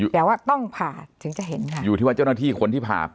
แต่ว่าต้องผ่าถึงจะเห็นค่ะอยู่ที่ว่าเจ้าหน้าที่คนที่ผ่า